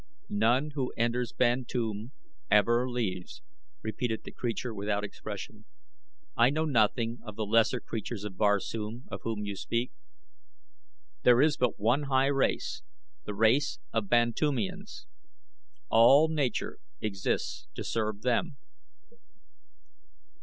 "None who enters Bantoom ever leaves," repeated the creature without expression. "I know nothing of the lesser creatures of Barsoom, of whom you speak. There is but one high race the race of Bantoomians. All Nature exists to serve them.